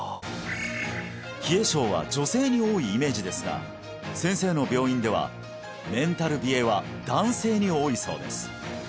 冷え症は女性に多いイメージですが先生の病院ではメンタル冷えは男性に多いそうです